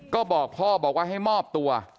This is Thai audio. ก็บอกพ่อบอกว่าให้มอบตัว